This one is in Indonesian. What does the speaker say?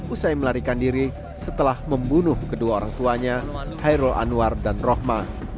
usai melarikan diri setelah membunuh kedua orang tuanya hairul anwar dan rohma